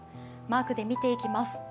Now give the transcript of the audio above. マークで見ていきます。